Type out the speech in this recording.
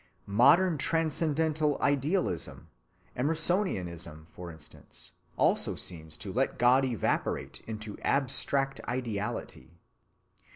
Modern transcendental idealism, Emersonianism, for instance, also seems to let God evaporate into abstract Ideality.